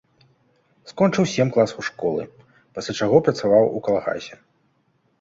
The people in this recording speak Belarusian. Скончыў сем класаў школы, пасля чаго працаваў у калгасе.